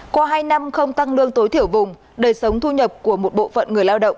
qua hai năm không tăng lương tối thiểu vùng đời sống thu nhập của một bộ phận người lao động